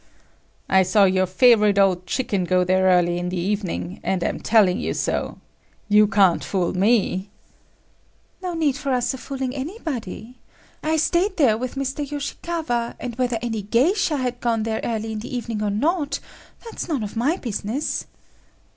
"I saw your favorite old chicken go there early in the evening, and am telling you so. You can't fool me!" "No need for us of fooling anybody. I stayed there with Mr. Yoshikawa, and whether any geisha had gone there early in the evening or not, that's none of my business."